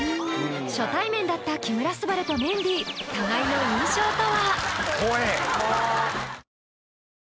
初対面だった木村昴とメンディー互いの印象とは？